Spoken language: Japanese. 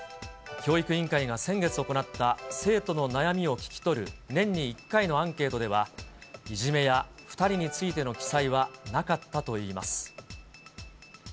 教育委員会が先月行った、生徒の悩みを聞き取る年に１回のアンケートでは、いじめや、２人についての記載はなかったといいます。